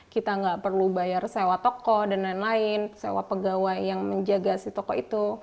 kita nggak perlu bayar sewa toko dan lain lain sewa pegawai yang menjaga si toko itu